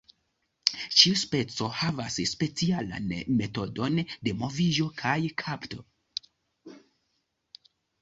Ĉiu speco havas specialan metodon de moviĝo kaj kapto.